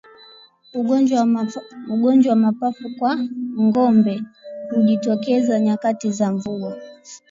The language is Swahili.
Ugonjwa wa mapafu kwa ngombe hujitokeza nyakati za mvua